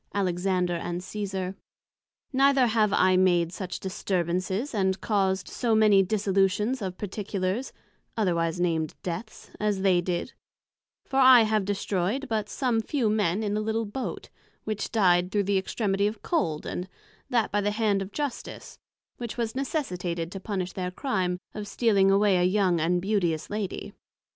Alexander and Cesar. Neither have I made such disturbances, and caused so many dissolutions of particulars, otherwise named deaths, as they did; for I have destroyed but some few men in a little Boat, which dyed through the extremity of cold, and that by the hand of Justice, which was necessitated to punish their crime of stealing away a young and beauteous Lady.